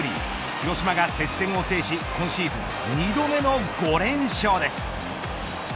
広島が接戦を制し今シーズン２度目の５連勝です。